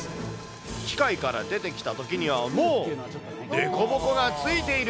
機械から出てきたときにはもう凸凹がついている。